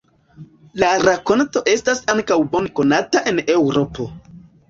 La rakonto estas ankaŭ bone konata en Eŭropo.